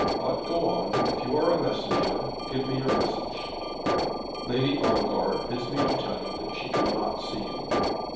But go on. If you are a messenger, give your message." "Lady Ongar bids me tell you that she cannot see you."